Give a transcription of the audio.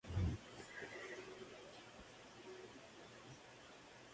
Estudió sociología en la Universidad de Zielona Góra.